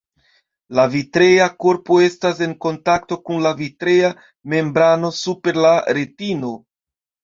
La vitrea korpo estas en kontakto kun la vitrea membrano super la retino.